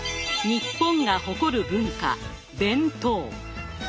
日本が誇る文化弁当。